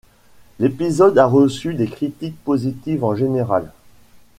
L'épisode a reçu des critiques positives en général.